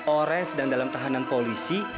ores dan dalam tahanan polisi